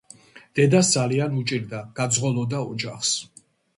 დედას ძალიან უჭირდა გაძღოლოდა ოჯახს.